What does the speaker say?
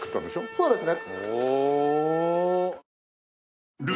そうですね。